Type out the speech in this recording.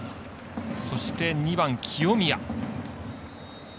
そして、２番の清宮。